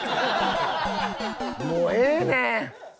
もうええねん！